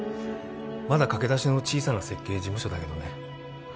まだ駆け出しの小さな設計事務所だけどね